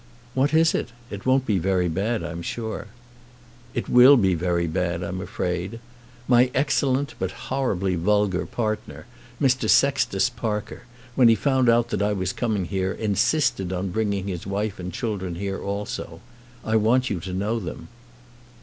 "What is it? It won't be very bad, I'm sure." "It will be very bad, I'm afraid. My excellent but horribly vulgar partner, Mr. Sextus Parker, when he found that I was coming here, insisted on bringing his wife and children here also. I want you to know them."